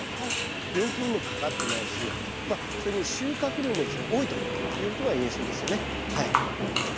病気にもかかってないしそれに収穫量もですね多いということが言えそうですよねはい。